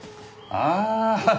ああ。